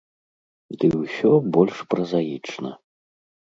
Ды ўсё больш празаічна.